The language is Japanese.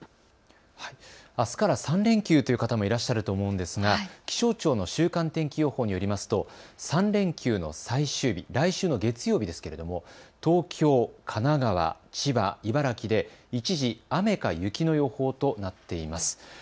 あすから３連休という方もいらっしゃると思うんですが、気象庁の週間天気予報によりますと３連休の最終日、来週の月曜日ですけれども東京、神奈川、千葉、茨城で一時、雨か雪の予報となっています。